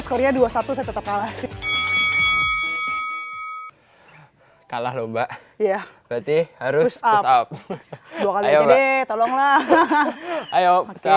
sekolah dua puluh satu tetap kalah kalah lomba iya berarti harus up dua kali tolonglah ayo